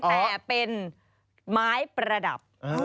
แต่เป็นไม้ประดับ